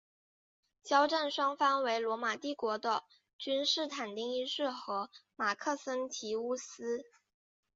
交战双方为罗马帝国的君士坦丁一世和马克森提乌斯。